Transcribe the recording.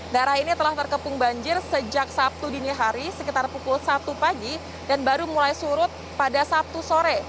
daerah ini telah terkepung banjir sejak sabtu dini hari sekitar pukul satu pagi dan baru mulai surut pada sabtu sore